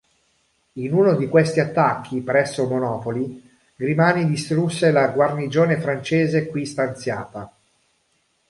In uno di questi attacchi, presso Monopoli, Grimani distrusse la guarnigione francese qui stanziata.